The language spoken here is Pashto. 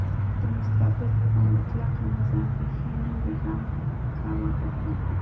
د مستبد او مطلقه نظام ریښې نورې هم کاواکه کړې.